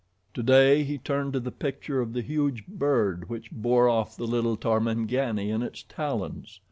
Today he turned to the picture of the huge bird which bore off the little Tarmangani in its talons.